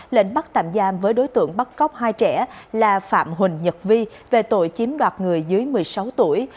lệnh bắt tạm giam với đối tượng bắt cóc hai trẻ là phạm huỳnh nhật vi về tội chiếm đoạt người dưới một mươi sáu tuổi